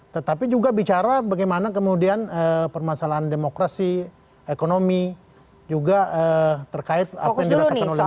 tetapi juga bicara bagaimana kemudian permasalahan demokrasi ekonomi juga terkait apa yang dirasakan oleh masyarakat